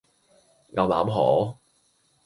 牛腩河